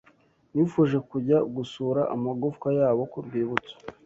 nifuje kujya gusura amagufwa yabo ku rwibutso